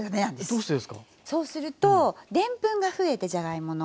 そうするとでんぷんが増えてじゃがいもの。